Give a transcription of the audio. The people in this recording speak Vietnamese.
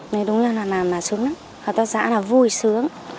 nên đúng như là làm là xuống lắm hợp tác xã là vui sướng